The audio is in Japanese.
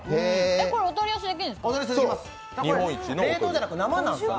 これお取り寄せできるんですか。